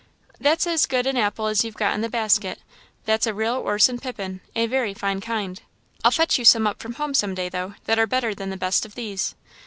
"That's as good an apple as you've got in the basket; that's a real Orson pippin a very fine kind. I'll fetch you some up from home some day, though, that are better than the best of these."